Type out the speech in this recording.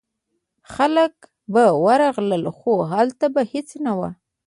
خلک به ورغلل خو هلته به هیڅ نه و.